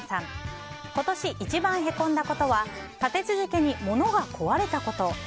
今年一番へこんだことは立て続けに物が壊れたこと。